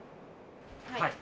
はい。